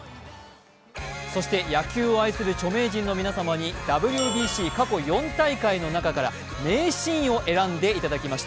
そして野球を愛する著名人の皆様に、ＷＢＣ過去４大会の中から名シーンを選んでいただきました。